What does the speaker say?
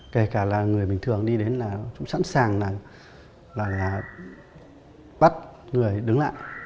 kể cả là người bình thường đi đến là cũng sẵn sàng là bắt người đứng lại